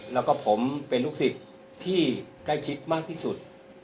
แล้วก็ผมเป็นลูกศิษย์ที่ใกล้ชิดมากที่สุด